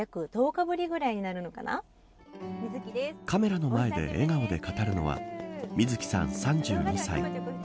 カメラの前で笑顔で語るのはみずきさん、３２歳。